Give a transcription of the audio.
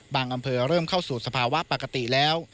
อำเภอเริ่มเข้าสู่สภาวะปกติแล้ว